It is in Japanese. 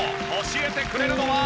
教えてくれるのは。